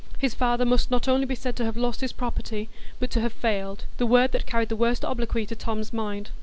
His father must not only be said to have "lost his property," but to have "failed,"—the word that carried the worst obloquy to Tom's mind.